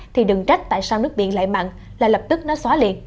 thì đừng trác tại sao nước biển lại mặn là lập tức nó xóa liền